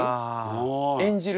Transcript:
演じる。